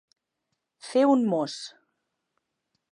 Fer un mos.